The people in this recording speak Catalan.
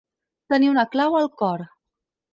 Tenir un clau al cor.